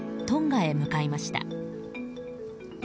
トンガへ向かいました。